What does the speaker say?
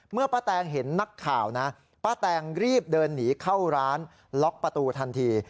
เมื่อป้าแตงเห็นนักข่าวนะป้าแตงรีบเดินหนีเข้าร้านล็อกประตูทันที